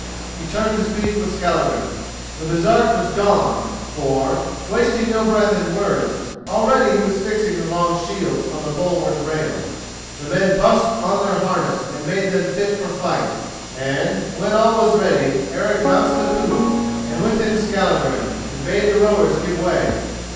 he turned to speak with Skallagrim. The Baresark was gone, for, wasting no breath in words, already he was fixing the long shields on the bulwark rail. The men busked on their harness and made them fit for fight, and, when all was ready, Eric mounted the poop, and with him Skallagrim, and bade the rowers give way.